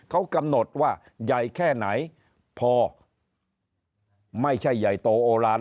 เขากำหนดว่าใหญ่แค่ไหนพอไม่ใช่ใหญ่โตโอลาน